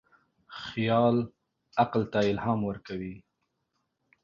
خیال عقل ته الهام ورکوي.